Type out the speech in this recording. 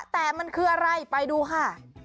แต่มันคืออะไรไปดูค่ะ